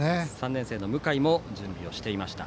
３年生の向井も準備していました。